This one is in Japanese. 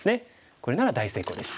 これなら大成功です。